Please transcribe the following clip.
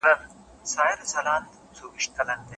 ټوله ښکلا ورڅخه واخلي.